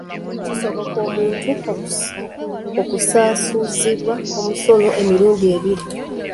Kisoboka omuntu okusasuzibwa omusolo emirundi ebiri?